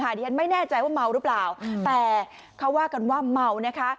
ดิฉันไม่แน่ใจว่าเมาหรือเปล่าแต่เขาว่ากันว่าเมานะคะ